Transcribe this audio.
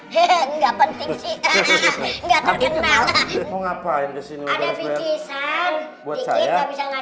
kenal ngapain kesini buat saya